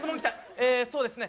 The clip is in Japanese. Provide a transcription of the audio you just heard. えそうですね